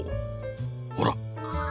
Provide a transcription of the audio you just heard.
ほら。